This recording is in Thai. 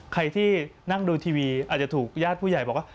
ใครที่นั่งดูทีวีอาจจะถูกญาติผู้ใหญ่บอกว่า